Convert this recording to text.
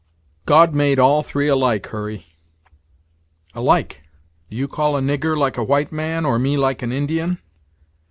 "God made all three alike, Hurry." "Alike! Do you call a nigger like a white man, or me like an Indian?"